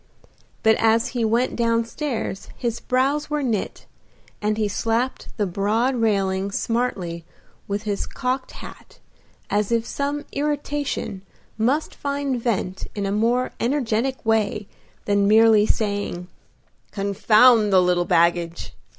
But as he went down stairs his brows were knit, and he slapped the broad railing smartly with his cocked hat as if some irritation must find vent in a more energetic way than merely saying, "Confound the little baggage!"